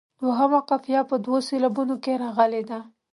دوهمه قافیه په دوو سېلابونو کې راغلې ده.